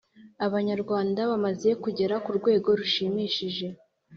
Abanyarwanda bamaze kugera ku rwego rushimishije